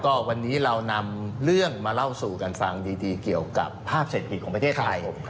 ก็วันนี้เรานำเรื่องมาเล่าสู่กันฟังดีเกี่ยวกับภาพเศรษฐกิจของประเทศไทย